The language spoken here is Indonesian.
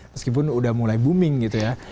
meskipun udah mulai booming gitu ya